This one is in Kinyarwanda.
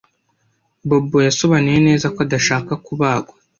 Bobo yasobanuye neza ko adashaka kubagwa.